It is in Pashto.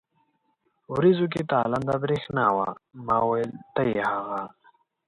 ورېځو کې تالنده برېښنا وه، ما وېل ته يې هغه.